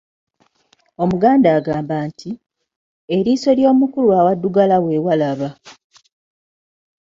Omuganda agamba nti, "eriiso ly'omukulu awaddugala we walaba".